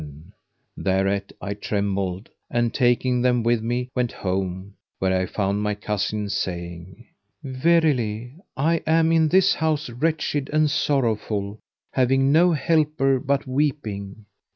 [FN#511] Thereat I trembled and, taking them with me, went home, where I found my cousin saying, "Verily, I am in this house wretched and sorrowful, having no helper but weeping."